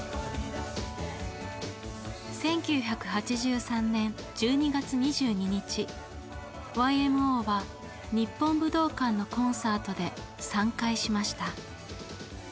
１９８３年１２月２２日ＹＭＯは日本武道館のコンサートで散開しました。